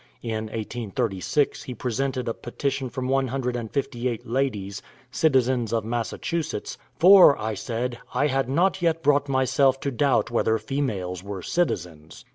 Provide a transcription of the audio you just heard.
In 1836 he presented a petition from one hundred and fifty eight ladies, citizens of Massachusetts, "for, I said, I had not yet brought myself to doubt whether females were citizens."